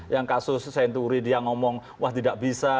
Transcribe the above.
yang kasus senturi dia ngomong wah tidak bisa